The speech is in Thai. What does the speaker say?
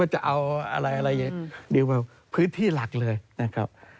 ว่าจะเอาอะไรพื้นที่หลักเลยนะครับ